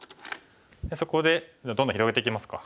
そこでどんどん広げていきますか。